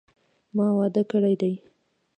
ما واده کړی دي